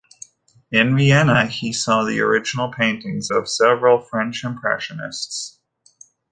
In Vienna, he saw the original paintings of several French impressionists.